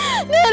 apa yang terjadi